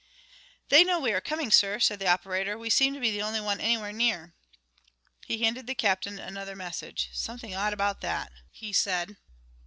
"They know we are coming, sir," said the operator. "We seem to be the only one anywhere near." He handed the captain another message. "Something odd about that," he said.